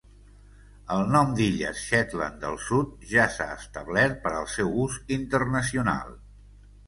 El nom d'Illes Shetland del Sud ja s'ha establert per al seu ús internacional.